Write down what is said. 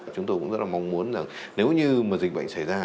chúng tôi cũng rất là mong muốn là nếu như mà dịch bệnh xảy ra